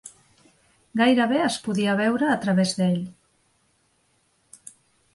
Gairebé es podia veure a través d'ell.